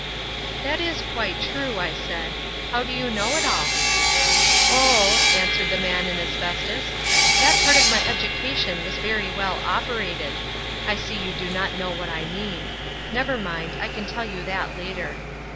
"That is quite true," I said. "How do you know it all?" "Oh," answered the Man in Asbestos, "that part of my education was very well operated—I see you do not know what I mean. Never mind, I can tell you that later.